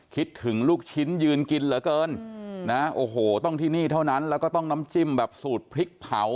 คิดถึงลูกชิ้นยืนกินเหลือเกินนะโอ้โหต้องที่นี่เท่านั้นแล้วก็ต้องน้ำจิ้มแบบสูตรพริกเผา